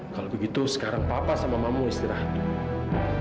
kalau begitu sekarang papa sama mamu istirahat